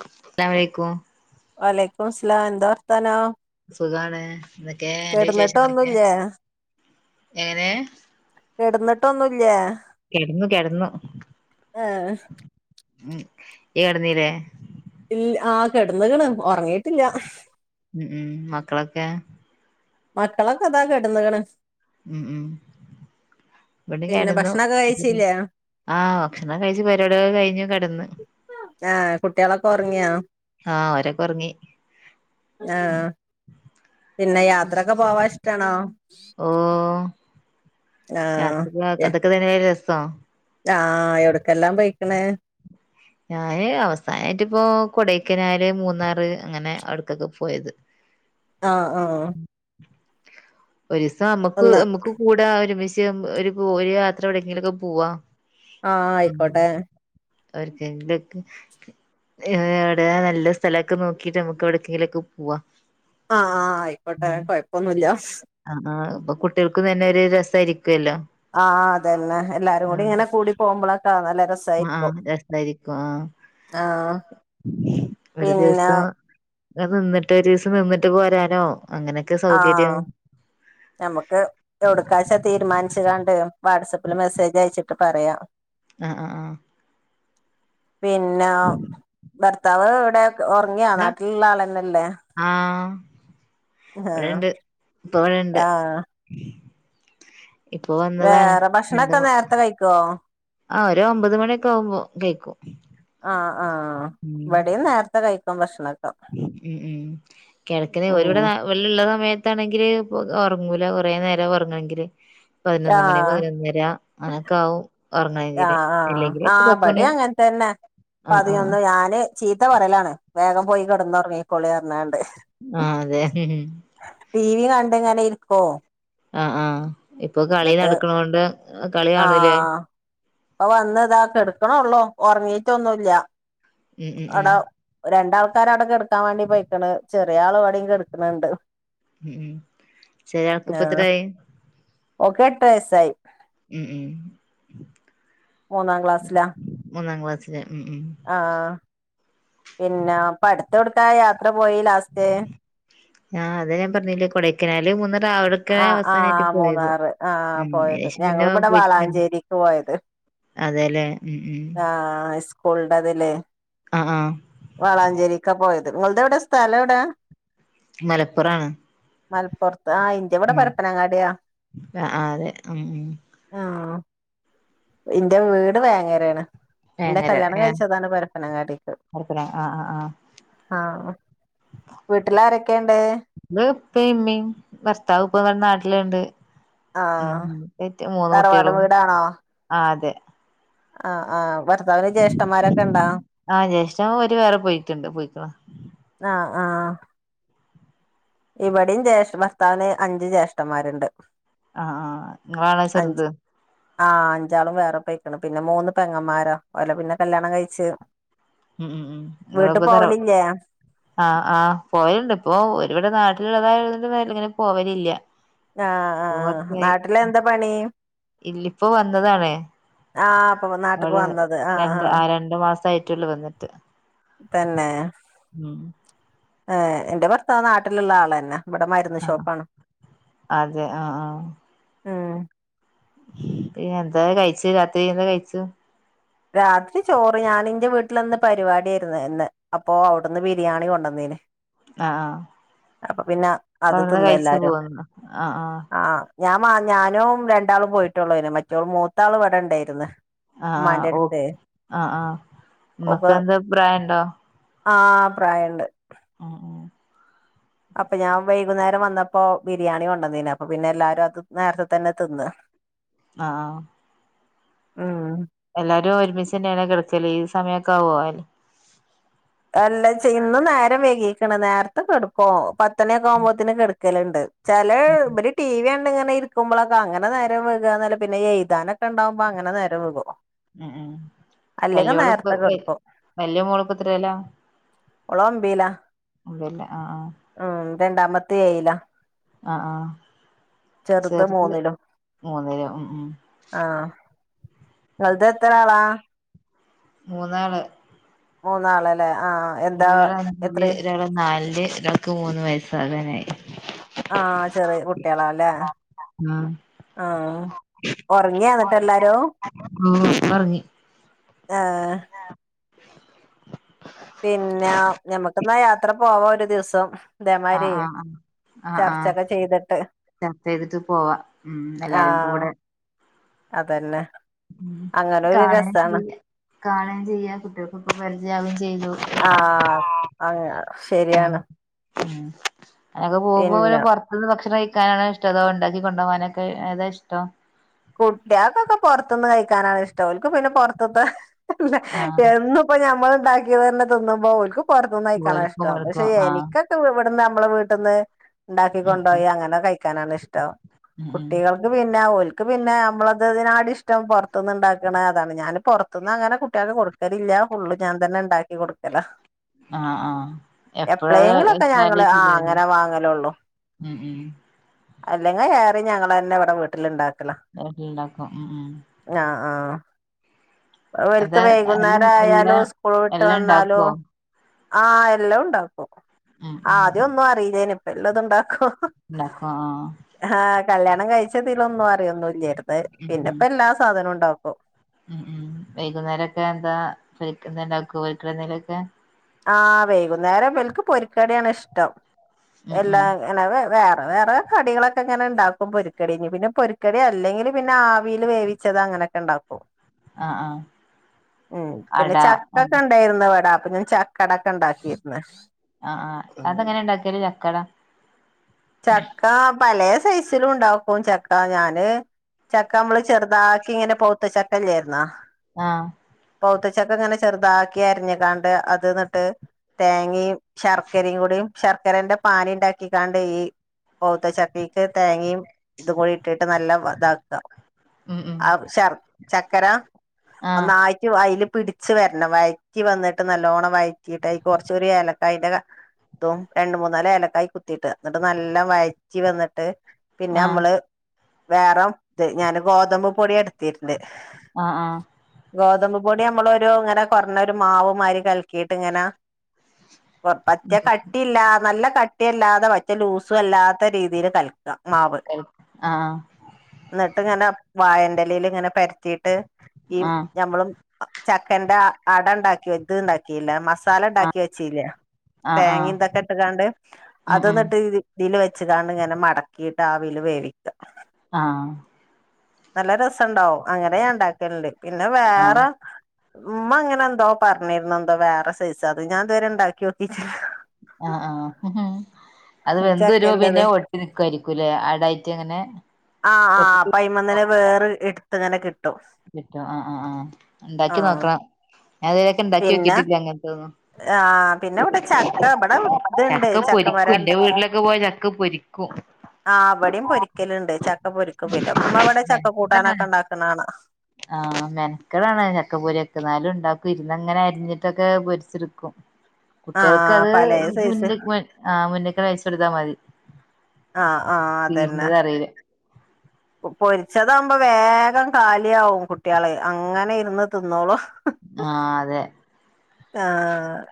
അസ്സലാമു അലൈകും വ അലൈക്കും മുസ്സലാം എന്താ വർത്താനം സുഖാണ് എന്തോക്കെ അന്റെ വിശേഷങ്ങളൊക്കെ കെടന്നിട്ടൊന്നുല്ലേ എങ്ങനെ കിടന്നിട്ടൊന്നുമില്ലെ കെടന്നു കെടന്നു ആഹ ഉം ഇയ്യ് കിടന്നില്ലേ ഇല്ല ആ കിടന്നക്കണ്ണ് ഉറങ്ങിട്ടില്ല ഉം ഉം മക്കളൊക്കെ മക്കളൊക്കെ അതാ കെടന്ന്കണ് ഉം ഉം ഇവിടെ പിന്നെ കിടന്നു ഭക്ഷണൊക്കെ കഴിച്ചില്ലേ ആ ഭക്ഷണം കഴിച്ചു പരിവാടി കഴിഞ്ഞു കിടന്ന് ആഹ കുട്ടികളൊക്കെ ഉറങ്ങിയോ ആഹ് ഓരൊക്കെ ഒറങ്ങി ആഹ പിന്നെ യാ യാത്രൊക്കെ പോവാ ഇഷ്ടാണോ ആഹ് യാത്ര എ അതൊക്കെ തന്നെ യല്ലേ രസം ആഹ് എവിടക്കെല്ലാം പോയിക്കണ് ഞാന് അവസാനമായിട്ട് ഇപ്പോ കൊടൈക്കനാല് മൂന്നാറ് അങ്ങനെ അവിടുക്കൊക്കെ പോയത് ആഹ ആഹ ഒരു ദിവസം നമുക്ക് നമുക്ക് കൂടാ ഒരുമിച്ചു ഒരു ഒരു യാത്ര എവിടെങ്കിലൊക്കെ പോവാ ആഹ ആയിക്കോട്ടെ അവർക്ക് ഇന്ത്ക്ക് ഏഹ് എവിടെയാ നല്ല സ്ഥലവൊക്കെ നോക്കിട്ട് നമ്മുക്ക് എവിടെക്കെങ്കിലൊക്കെ പോവാ ആഹ ആ് ആയിക്കോട്ടെ ഉം കുഴപ്പൊന്നുല്ല ആ ഇപ്പൊ കുട്ടികൾക്കും തന്നെ ഒരു രസായിരിക്കും ആഹ് അതന്നെ എല്ലാരും കൂടി ഇങ്ങനെ കൂടി പോകുമ്പോളൊക്കെ നല്ല രസ ആഹ ആഹ് രസായിരിക്കും ആഹ ആഹ് ഒരു പിന്നെ ദിവസം നിന്നിട്ട് ഒരു ദിവസം നിന്നിട്ട് പോരാനോ അങ്ങനെയൊക്കെ സൗകര്യം ആഹ നമുക്ക് ഒടുക്കാശ തീരുമാനിച്ചിടണ്ട് വാട്സപ്പിൽ മെസ്സേജ് അയച്ചിട്ട് പറയാം ആഹ ആഹ ആഹ പിന്നെ ഭർത്താവ് ഇവിടെ ഉറങ്ങിയാ എന്താ നാട്ടിലുള്ള ആളന്നെല്ലേ ആ ഇവിടെണ്ട് ഇപ്പൊ ഇവിടെ ഇണ്ട് ആഹ് ഇപ്പൊ വന്നതാണ് വേറെ എ ഭക്ഷണൊക്കെ നേരത്തെ കഴിക്കോ ആ ഒരു ഒമ്പത് മണിയൊക്കെ ആവുമ്പോ കേൾക്കും ആഹ ആഹ് ഇവിടെയും നേരത്തെ കഴിക്കും ഭക്ഷണം ഉം ഉം കിഴക്കന് ഒരുവിടെ ഉം ആ വെള്ളിയള്ള സമയത്ത് താണെങ്കില് ഇ ഉറങ്ങൂല കുറേ നേരം ഉറങ്ങണെങ്കില് പതിനൊന്ന് മണി ആഹ് പതിനൊന്നര അങ്ങനൊക്കെ ആാവും ആ ആഹ് ആ പടി അങ്ങനെത്തന്നെ ആഹ് ആഹ് പതിൊന്ന്ു ഞാന് ചീത്ത പറയലാണ് വേഗം പോയി കിടന്നു ഉറങ്ങിക്കോളി ഇറഞ്ഞാണ്ട് ആഹ് അതെ ടി വി കണ്ടിങ്ങനെ ഇരിക്കോ ആഹ ആഹ് ഇപ്പൊ കളി നടക്കണ കൊണ്ട് ആഹ അപ്പൊ വന്ന്താ കടക്കണേള്ളു ഉറങ്ങീട്ടൊന്നുമല്ല ഉം ഉം ഉം അടാ രണ്ടാമ [unintelligible] കടക്കാ വേണ്ടി പോയിക്കണ് ചെറിയൾ ഇവിടെയുക്കടക്കണുണ്ട് ഉം ഉം ചെറിയാൾക്ക് ഇപ്പ ആഹ എത്രായി ഓക്ക് എട്ട വയസായി ഉം ഉം മൂന്നാം ക്ലാസ്സിലാ മൂന്നാം ക്ലാസിില് ആഹ പിന്നെ പടുത്ത എവുടുക്കായി ആ അതെ ഞാൻ പറഞ്ഞില്ലേ കൊടെക്കനാല് മൂന്ന് അവെടെക്കെ ആഹ് അവസാനായ്ട്ട് ആഹ് പോയെത്. മൂന്നാറ് ആഹ് ഉം പോയത് ഏശം പിന്നെ ഞങ്ങളിവിടെ പോയിട്ടില്ലെന് വളാഞ്ചേരിക്ക് പോയത് അതെലെ ഉം ഉം സ്കൂൾന്റെതിലേ ആഹ് ആഹ് വളാഞ്ചേരിക്ക പോയെത്. നിങ്ങൾതെവ്ടെ സ്ഥലവ്ടെ? മലപ്പുറാണ് മൽപ്പൊർത്ത് ആ ഇന്റവ്ടെ ഉം പരപ്പനാങ്ങാട്യാ ആഹ് ആഹ് അതെ ഉം ഉം ആഹ് ഇന്റെ വീട് വേങ്ങേരേണ്. ന്റെ വേങ്ങര കല്യാണം ഏഹ് കഴിച്ചതാണ് പരപ്പനങ്ങാടീക്ക് മലപ്പുറം ആഹ് ആഹ് ആഹ് ആ വീട്ടിലാരെക്കെണ്ട് ഇപ്പയേം ഇമ്മീം ഭർത്താവ് ഇപ്പവ നാട്ടില്ണ്ട്. ഉം ആഹ് [unintelligible] മൂന്ന് തറവാട് കുട്ട്യളും വീടാണോ ആതെ. ആഹ് ആഹ് വർ ർത്താവിന് ജ്യേഷ്ഠന്മാരൊക്കെണ്ടോ ആഹ് ജ്യേഷ്ഠൻ ഓര് വേറെ പോയിട്ടുണ്ട് പോയിക്കണ് ആ ആഹ് ഇവെടെയും ജ്യേഷ ഭർത്താവിന് അഞ്ച് ജ്യേഷ്ഠന്മാര്ണ്ട്. ആഹ് ആ നിങ്ങളാണോ ചെർത്? ആ അഞ്ചാളും വേറെ പേയ്ക്കെണ് പിന്നെ മൂന്ന് പെങ്ങമാരാ ഓലെപിന്നെ കല്യാണംകഴിച്ച് മം മം ഇങ്ങള്പ്പതറവ ആ ആ പോയൽണ്ട്പ്പ ഓര് വടെ നാ ത്തുള്ളതായിയുള്ളവെരിങ്ങനെ പോവലില്ല. ആ ആ ആ നാട്ടിലെന്താ പണി? ഇല്ലിപ്പോ വന്നതാണേ ആഹ് ഇപ്പൊ [unintelligible] നാട്ട്ക്ക് ആഹ് വന്നത് ആഹ് ആഹ് രണ്ട് മാ മസായിട്ടൊള്ളു വന്നിട്ട് തന്നെ ഉം ഏ എന്റെ ഭർത്താവ് നാട്ടില്ള്ളയാളെന്നെ ഇവെട ആഹ് മരുന്ന്ഷോപ്പാണ് അതെ ആഹ് ആഹ് എന്താ കഴിച്ച് രാത്രി എന്തകഴ്ച്ചു രാത്രി ചോറ് ഞാനിന്റെ വീട്ടിലിന്ന് പരിപാടിയാരുന്നുന്ന് അപ്പോ അവെട്ന്ന് ബിരിയാണി കൊണ്ടുന്നീനി ആഹ് ആഹ് അപ്പ പിന്നെ അത് അവിടുന്ന് കഴിച്ചു തിന്നെല്ലാരും പോന്നു ആഹ് ആഹ് ഞാൻ മാ ഞാനും രണ്ടാളും പോയിട്ടൊള്ളാരുന്നു മറ്റോള് മൂത്താള് ഇവിടണ്ടേര്ന്ന് ആ ഓ ആ ആ ഉമ്മകെന്തേ പ്രായണ്ടോ ആ പ്രായണ്ട്. ആ ആ അപ്പ ഞാൻ വൈകുന്നേരം വന്നപ്പോ ബിരിയാണി കൊണ്ടന്നീനി അപ്പ പിന്നെ എല്ലാരും അത് നേരത്തെത്തന്നെ തിന്ന്. ആഹ് ഉം എല്ലാരും ഒരുമിച്ചെന്നെയാണോ കെടക്കല്? ഈ സമയയൊക്കാ വോ? അല്ലച്ചാ ഇന്ന് നേരം വൈകീക്ക്ണ്നേർത്തെ കെട്ക്കോ? പത്തണ്യാക്കാവുമ്പത്തേന് കെട ക്കല്ണ്ട് ചെലേ ഉം ബല് ടിവി ആണ് ഇങ്ങനെങ്ങനെയിരിക്ക്മ്പളക്കെ അങ്ങനെ നേരം വെകാന്നല്ലതെ പിന്നെ എഴ്താനെക്കെണ്ടാവുംമ്പോ അങ്ങെനെ നേരംവെകും. നെ ഏ വല്ലോള്പ്പ ഏയ് കെടുക്കും വല്യ മോള്പ്പത്തിര എല്ല ഓള് ഒമ്പീലാ ഉള്ളില് ആ ആ രണ്ടാമെത്തെ ഏയില ആ ആ ചെറ്ത് മൂന്നിലും മൂന്നിലും ഉ ഉം ങ്ങൾതെത്രളാളാ? മൂന്നാള് മൂന്നാളലെ? ഒരാളഞ്ചില് ഒരാള് നാലില് ഒരാക്ക് മൂന്ന് വയസ്സാകാനായി. ആ ചെറിയ കുട്ടിളാല്ലേ ആഹ് ആ.... ഉറങ്ങിയാന്ന്ട്ടെല്ലാരും ഓ ഒറങ്ങി ഏഹ് പിന്നെ ദിവസംതേമാരി ആഹ ആഹ [unintelligible] ചെയ്തിട്ട് പോവാ ഉം എല്ലാരും ആഹ് കൂടെ അതന്നെ ഉം അങ്ങനെ ഒരു രസാണ് കാണെചെയ്യ കാണും ചെയ്യാ... കുട്ട്യാൾക്കിപ്പോപരിചയാവും ചെയ്യാ.. ആ.. അങ് ഉം ശര്യാണ്. ഉം അനക്ക് പോവുമ്പോെന് പൊറത്ന്ന് ഭക്ഷണം ക്കാനാണോ ഇഷ്ടോ? അതോണ്ടാക്കി കൊണ്ടാവാനാ ഇഷ്ടം? കുട്ട്യാൾക്കൊക്കേ പൊറത്ന്ന് കഴിക്കാനാണിഷ്ടം ഓൽക്ക്‌ പിന്നെ പൊറത്ത്തെ അല്ല [unintelligible] ആഹ് എന്നൂപ്പൊ ഞമ്മള്ണ്ടാക്കീതന്നെ തിന്നുമ്പോ ഓൽക്ക്‌ പൊ പൊറത് ന്ന് കയ്ക്കാനാ ഓര്ക്കും ഇഷ്ടം പക്ഷെ ഇവർക്കും ആഹ് എനിക്കിപൊ ഇവിടുന്നു നമ്മള് വീട്ട്ന്ന് ണ്ടാക്കി ഉം ഉം കൊണ്ടോയി അങ്ങനെ കഴിക്കാനാണിഷ്ടം ഉം ഉം കുട്ടികൾക്ക് പിന്നെ ഓ ക്ക്‌ പിന്നെ മ്മളത്തതിനാട്ടിഷ്ടം പൊറത് ന്ന് ണ്ടാക്ക്‌ണതാണ് ഞാന് പുറത്ത്ന്ന് അങ്ങനെ കുട്യാൾക് കൊട്ക്കലില്ലാ.... അ ഫുള്ള് ഞാൻ തന്നെ ഉണ്ടാക്കി കൊടുക്കല ആഹ് ആഹ് എപ്പഴും അത് എപ്പോളേങ്കിലോക്കെ ഞങ്ങള് ആ... അങ്ങനെ വാങ്ങലൊള്ളു. ഉംമ്... അല്ലെങ്കി ഏറെം ഞങ്ങളെന്നെവ് ടെ വീട്ടില്ണ്ടാക്കല് വീട്ടിലുണ്ടാക്കും ഉം ഉം [unintelligible] ആ അ. അത് അവ്ര്ക്ക് എല്ലാം എല്ലാ വൈകുന്നേരായാലും സ്കൂള് വിട്ട് എല്ലാം വന്നാലും ഉണ്ടാക്കുവോ ആ... എല്ലവ്ണ്ടാക്കും ഉം ഉം ആദ്യം ഒന്നറിയിലേന്ന് ഇപ്പെല്ലത്ണ്ടാക്കും. ണ്ടാക്കും ആ... കല്യാണം കഴിച്ചതിലൊന്നും അറിയൊന്നില്ലാർന്നു ഉം ഉം പിന്നെപ്പെല്ലാ സാധനോം ഉണ്ടാക്കും. ഉം. ഉം. വൈകുന്നേരക്കെ ന്താ? [unintelligible] വീട്ടിലെന്തെലൊക്കെ? ആ. വൈകുന്നേരംബൽക്ക് പൊരിക്കഡ്യാണ്ഷ്ടം ഉം ഉം എല്ലാം ങ്ങനെ വേ വേറെ കടികളൊക്കെ ഇങ്ങനണ്ടാക്കും പൊരിക്കടീഞ് പിന്നെ പൊരുക്കടി അല്ലെങ്കിപിന്നെ ആവീല് വേവിച്ചതഅങ്ങന ങ്ങനെ ണ്ടാക്കും ആഹ് ആഹ് മ്മ് പിന്നെ അട ആഹ് ചക്കക്കേണ്ടർന്ന് ഇവടെ അപ്പൊ ഞാൻ ചക്കടൊക്കെ ഇണ്ടാകീന്ന്. അ അ അതെങ്ങനെണ്ടാക്കല് ചക്കട. സൈസിലുണ്ടാക്കും ചക്ക ഞാന്. ചക്കമ്മള് ചെറുതാക്കിങ്ങനെ പൊവ്ത്തചക്കല്ല്യേ ആയിരുന്ന ആ. പവ്ത്തചക്കങ്ങനെ ചെറുതാക്ക്യരിഞ്ക്കാണ്ട് അത് ട്ട് തേങേമ് ശർക്കരയും കൂടി ശർക്കരന്റെ പാനിണ്ടാക്കികാണ്ട് ഈ പൗത്തചക്കീക്ക് തേങ്ങയും ഇതുംകൂടിട്ട് ട്ട് നല്ലതാക്കാ. ഉം ഉം അവ് ശർ ചക്കര ആഹ് ഒന്നായിട്ട്വ് അയ്ല് പിടിച്ച് വരണം വയറ്റി വന്നിട്ട് നല്ലോണം വയറ്റീട്ടയ്ക്ക്‌ കുറച്ചൊരുഏലക്കായിന്റെ ത്തും രണ്ട്മൂന്നാല് ഏലക്കായി കുത്തിയിട്ട് ന്നിട്ട് നല്ലം വഴറ്റിവന്നിട്ട് ആഹ് പിന്നമ്മള് വേറെ ഇത് ഞാന് ഗോതമ്പ് പൊടിയാ ഇട്ത്തീന്നെ അ ആ. ഗോതമ്പ് പൊടിഅമ്മളൊരു ഇങ്ങനെ കൊറഞ്ഞോരു മാവ്മാരി കൽക്കീട്ട്ങ്ങനെ പൊർ പറ്റ ഉം കട്ട്യല്ലാ നല്ല കട്ട്യല്ലാതെ പറ്റ ലൂസുവല്ലാത്തരീതില് കല ക്കാ മാവ് ആഹ് ന്നിട്ട്ങ്ങനെ വായെന്റെലേല്ങ്ങനെ പെ ത്തീട്ട് ഈ ആഹ് ഞമ്മള് ചക്കന്റെ അടണ്ടാക്കി ഇത്ണ്ടാക്കിയിലേ മ ആഹ് മസാലണ്ടാക്കി വെച്ചീലേ ആഹ് ആഹ് തേങേമ് തൊക്കെട്ട്ങ്ങാണ്ട് ഉം അത് ഉം ന്ന്ട്ട് ഇ ഇതില് വെ ച്ച്കാണ്ട്ങ്ങനെ മടക്കീട്ട് ആവില് വേവിക്ക. ആ. നല്ല രസണ്ടാവും അങ്ങനെഞാന്ണ്ടാക്കല്ണ്ട് പിന്നെ വേറെ ആഹ് ഉമ്മങ്ങനെന്തോ പറഞ്ഞിരുന്നു ന്തോ വേറെ സേയ്സത് ഞാൻതുവരെ ണ്ടാക്കി നോക്കിട്ടില്ല. അ ആ. ഹും ഹു അത് വെന്ത് വരുമ്പോ ചക്കന്റത് പിന്നെ ഒട്ടി നക്കുായിരിക്കുംല്ലേ അടായിട്ട അങ്ങനെ. ആ് ആ ഒട്ടി പൈമന്നിനെ വേറ് എടുത്ത്ങ്ങനെ കി റ്റോ ആ ആ് ആ് ഉണ്ടാക്കി ആഹ് നോക്കണം ഞാ അതിലൊക്കെ ഉണ്ടാക്കി നോക്കിട്ടില്ല അങ്ങനത്തെന്നും. ആഹ പിന്നെ ഇവിടെ ചക്ക ഇവിടെ ഇതുണ്ട് ചക്ക മര പൊരിക്കും എന്റെ ഉണ്ട്. വീട്ടിലൊക്കെ പോയ ചക്ക പൊരിക്കും ആ അവിടെയും പൊരിക്കലുണ്ട് ചക്ക പൊരിക്കും പിന്നെ ഉമ്മ ഇവിടെ ചക്ക കൂട്ടാനൊക്കെ ഉണ്ടാക്കണ കാണാം. ആഹ മെനകേടാണ് ചക്ക പൊരിക്കുന്നാലും ഉണ്ടാക്കും ഇരുന്ന് അങ്ങനെ അരിഞ്ഞിട്ടൊക്കെ പൊരിച്ചടുക്കും. കുട്ടികൾക്ക് ആഹ് അത് പലേ സൈസ് മുന്ന ആ മുന്നേക്ക വെച്ച് കൊടുത്താ മതി. ആഹ് ആഹ അതന്നെ തീരുന്നത് അറിയില്ല പൊരി ചതകുമ്പോ വേഗം കാലിയ ആാവും കുട്ടികള്അങ്ങനെ ഇരുന്ന് തിന്നോളു. ഹ ആഹ് അതെ ആ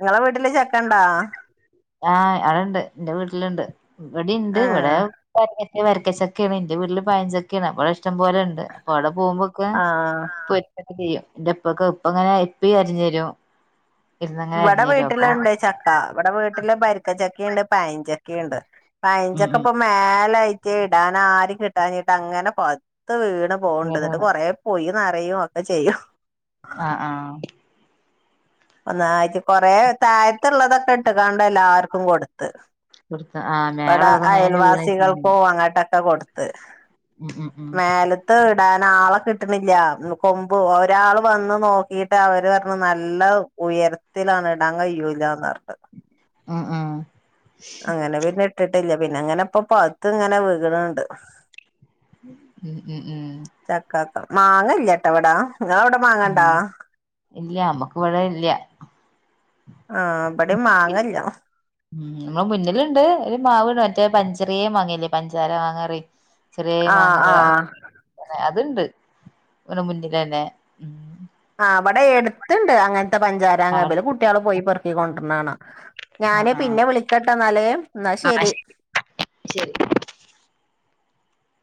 നിങ്ങളെ വി [inaudible] ആഹ് അടെണ്ട് എൻ്റെ വീട്ടിലുണ്ട്. ഇവിടെ ഉണ്ട് ആഹ് ഇവിടെ വര വരക്കച്ചൊക്കെയാണ് ഇന്റെ വീട്ടില് പായഞ്ചൊക്കെയാണ് അവിടെ ഇ ഷ്ടം പോലെ ഉണ്ട് അപ്പൊ അവിടെ പോകുമ്പോക്കെ ആഹ് ആ പൊരി ചെയ്യും എന്റെപ്പൊക്കെ ഇപ്പ അങ്ങനെ [unintelligible] ഇവിടെ വീട്ടിലുണ്ട് ച ക്ക ഇവിടെ വീട്ടില് പരിക്കച്ചക്കയുണ്ട് പൈഞ്ചക്കുണ്ട് ഉം പയഞ്ചക്ക ഉം ഇപ്പൊ മേലാ [unintelligible] ഇടൻ ആരും കിട്ടാട്ട് അങ്ങനെ പത്ത് വീണ് പോകണ്ടിട്ട് എന്നിട്ട് കൊറ പോയി നേര പറയുവ ഒക്കെ ചെയ്യും. ആഹ് ആഹ. [unintelligible] കൊറെ താഴത്തുള്ളതൊക്കെ ഇട്ട് കാണ്ട എല്ലാർക്കും കൊടുത്ത്. കൊടുത്ത് ആ ഇവിടെ മേലള്ളതൊക്കെ ഇങ്ങനെ അയൽവാസികൾ വീണേക്കില്ലേ പോ അങ്ങ കൊടുത്ത്. ഉം ഉം ഉം [unintelligible] ഇടൻ ആളെ കിട്ടണില്ല കൊമ്പ് ഒരാൾ വന്ന് നോക്കിട്ട് അവര് പറഞ്ഞു നല്ല ഉയരത്തിലാണ് ഇടാൻ കഴിയൂല്ലന്ന് പറഞ്ഞത് ആഹ ആഹ അങ്ങനെ പിന്നെ ഇട്ടിട്ടില്ല പിന്നെ അങ്ങനെ ഇപ്പൊ പത്ത് ഇങ്ങനെ വീകണണ്ട് ഉം ഉം ഉം മാങ്ങല്ലട്ടോവിടാനിങ്ങ അവിടെ മാങ്ങണ്ടാ ഇല്ല നമ്മക്ക് ഇവിടെ ഇല്ല ആഹ ഉ നമ്മള് മുന്നിലുണ്ട് ഒരു മാവണ്ട് മറ്റേ പഞ്ച ചെറിയ വാങ്ങിയല്ലേ പഞ്ചാര വാങ്ങാറ ചെറിയ ആ ആ മാങ്ങാ അതുണ്ട് ഇങ്ങനെ മുന്നിലന്നെ ആ അവിടെ എടുത്തുണ്ട് അങ്ങനത്തെ പഞ്ചാര ആ കബില് കുട്ടികളെ പോയി പൊറുക്കിക്കൊണ്ടിരുനാന ഞാന് ആ പിന്നെ വിളിക്കട്ടെ നാലം എന്നാ ശരി ശരി